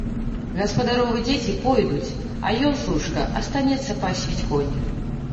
Гаспадаровы дзеці пойдуць, а ён, служка, астаецца пасвіць коні.